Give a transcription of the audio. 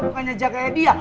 makanya jagain dia